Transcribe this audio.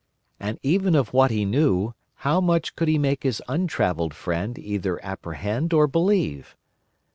And even of what he knew, how much could he make his untravelled friend either apprehend or believe?